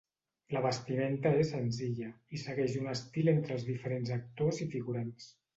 La vestimenta és senzilla, i segueix un estil entre els diferents actors i figurants.